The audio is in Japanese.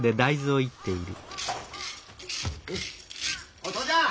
おい父ちゃん！